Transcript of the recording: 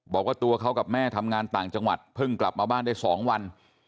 บอกว่าตัวเขากับแม่ทำงานต่างจังหวัดเพิ่งกลับมาบ้านได้๒วัน